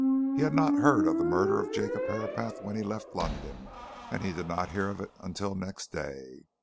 He had not heard of the murder of Jacob Herapath when he left London, and he did not hear of it until next day.